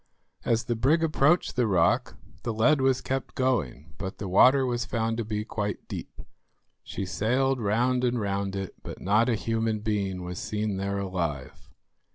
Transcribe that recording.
As the brig approached the rock the lead was kept going, but the water was found to be quite deep. She sailed round and round it, but not a human being was seen there alive.